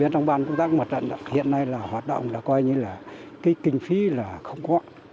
trong ban công tác mặt trận hiện nay là hoạt động là coi như là cái kinh phí là không có